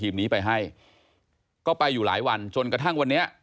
แล้วก็หายใจทางสมุกได้ตามปกติเลย